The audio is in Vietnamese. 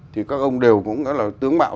thì các ông đều cũng đó là tướng bạo